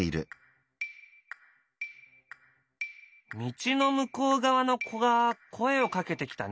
道の向こう側の子が声をかけてきたね。